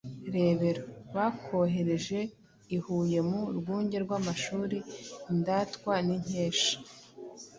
Rebero: Bakohereje i Huye mu Rwunge rw’Amashuri Indatwa n’Inkesha